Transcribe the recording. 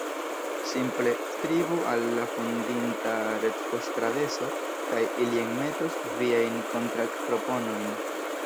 Simple skribu al la fondinta retpoŝtadreso, kaj li enmetos viajn kontaktproponojn.